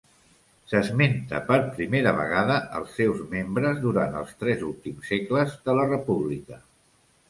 S'esmenta per primera vegada els seus membres durant els tres últims segles de la República.